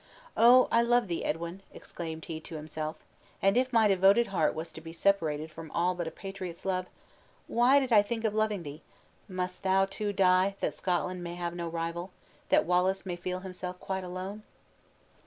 "Oh! I love thee, Edwin!" exclaimed he to himself; "and if my devoted heart was to be separated from all but a patriot's love! why did I think of loving thee? must thou, too, die, that Scotland may have no rival, that Wallace may feel himself quite alone!"